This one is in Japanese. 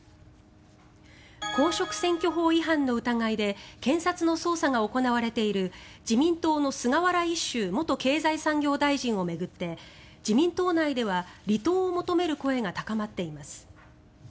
公職選挙法違反の疑いで検察の捜査が行われている自民党の菅原一秀元経済産業大臣を巡って自民党内では離党を求める声が高まっています。